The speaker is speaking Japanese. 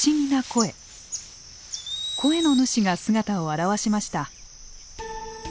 声の主が姿を現しました。